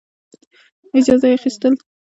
اجازه اخیستل د انګریزانو او مهاراجا څخه ضروري دي.